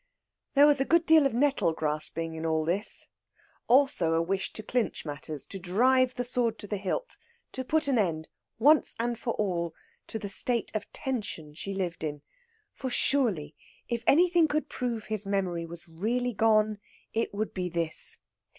There was a good deal of nettle grasping in all this. Also a wish to clinch matters, to drive the sword to the hilt; to put an end, once and for all, to the state of tension she lived in. For surely, if anything could prove his memory was really gone, it would be this.